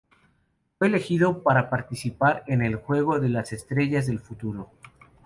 Fue elegido para participar en el Juego de las Estrellas del Futuro.